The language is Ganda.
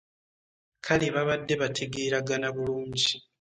Kale babadde bategeeragana bulungi.